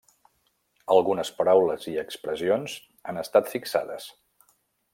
Algunes paraules i expressions han estat fixades.